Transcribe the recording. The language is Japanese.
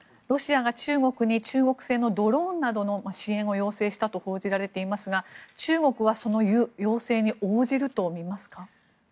ロシアが中国に中国製のドローンなどの支援を要請したと報じられていますが中国はその要請に応じるとみますか？